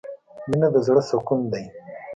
مینه د زړه سکون دی.